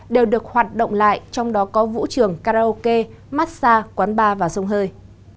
đều được hoạt động lại trong đó có vũ trường karaoke massage quán bar và sông hơi